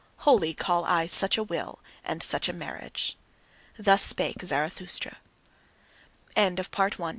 Holy call I such a will, and such a marriage. Thus spake Zarathustra. XXI. VOLUNTARY DEATH.